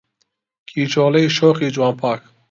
کیژۆڵەی شۆخی جوان چاک